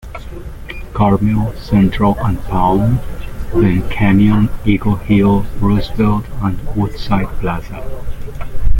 Carmel, Central and Palm then Canyon, Eagle Hill, Roosevelt, and Woodside Plaza.